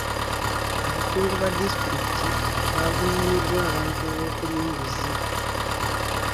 Abakungu ba disitulikiti bavuunaaniddwa abantu olw'okulya enguzi.